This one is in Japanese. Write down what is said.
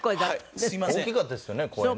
大きかったですよね声ね。